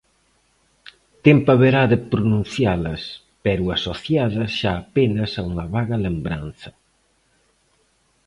Tempo haberá de pronuncialas, pero asociadas xa apenas a unha vaga lembranza.